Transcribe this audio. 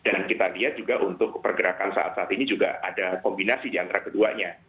kita lihat juga untuk pergerakan saat saat ini juga ada kombinasi di antara keduanya